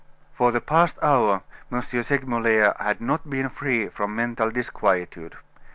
For the past hour M. Segmuller had not been free from mental disquietude.